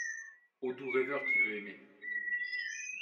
Au doux rêveur qui veut aimer !.